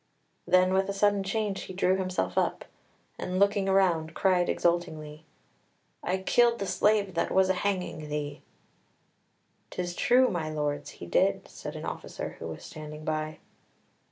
Then, with a sudden change, he drew himself up, and, looking round, cried exultingly: "I killed the slave that was a hanging thee!" "'Tis true, my lords, he did," said an officer who was standing by.